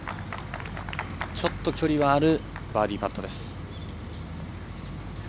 ちょっと距離があるバーディーパットです。